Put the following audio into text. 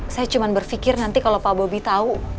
saya cuma berfikir nanti kalo pak bobi tau